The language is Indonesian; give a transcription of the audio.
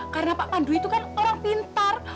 karena pak pandu itu kan orang pintar